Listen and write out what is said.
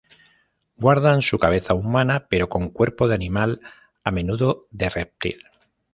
Guardan su cabeza humana, pero con cuerpo de animal, a menudo de reptil.